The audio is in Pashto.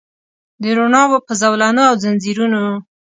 د روڼا په زولنو او ځنځیرونو